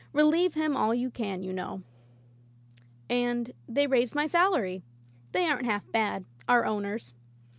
Relieve him all you can, you know." And they raised my salary. They aren't half bad — our owners.